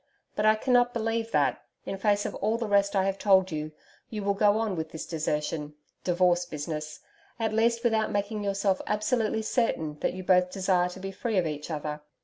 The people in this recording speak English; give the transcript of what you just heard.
But I cannot believe that, in face of all the rest I have told you, you will go on with this desertion divorce business at least without making yourself absolutely certain that you both desire to be free of each other.